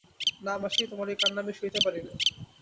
না, মাসি, তোমার ঐ কান্না আমি সইতে পারি নে।